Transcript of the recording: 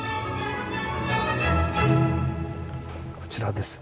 こちらですね。